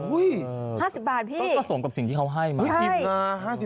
อุ๊ยต้องสะสมกับสิ่งที่เขาให้มากอุ๊ย๕๐บาทพี่